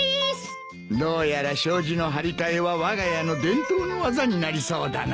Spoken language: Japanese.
どうやら障子の張り替えはわが家の伝統の技になりそうだな。